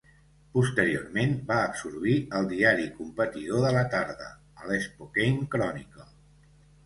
Posteriorment va absorbir el diari competidor de la tarda, el Spokane Chronicle.